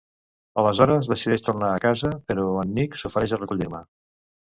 Aleshores, decideix tornar a casa, però en Nick s'ofereix a recollir-me.